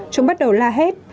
chúng bắt đầu la hét